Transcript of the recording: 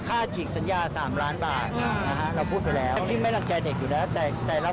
ค่าฉีกสัญญา๓ล้านบาทเราพูดไปแล้ว